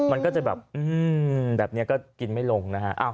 มันก็จะแบบแบบนี้ก็กินไม่ลงนะฮะ